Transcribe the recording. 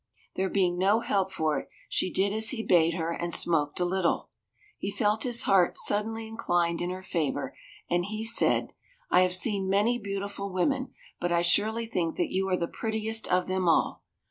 There being no help for it, she did as he bade her, and smoked a little. He felt his heart suddenly inclined in her favour, and he said, "I have seen many beautiful women, but I surely think that you are the prettiest of them all.